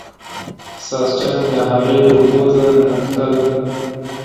ساسچن د هغې په پوزه نښتل.